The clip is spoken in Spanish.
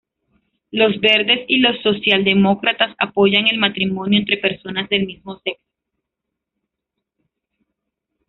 Los Verdes y los socialdemócratas apoyan el matrimonio entre personas del mismo sexo.